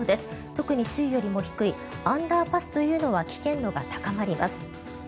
特に周囲よりも低いアンダーパスというのは危険度が高まります。